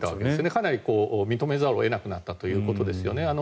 かなり認めざるを得なくなったということですね。